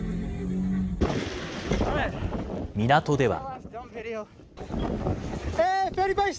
港では。